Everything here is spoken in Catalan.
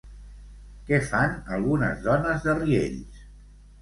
Què fan algunes dones de Riells?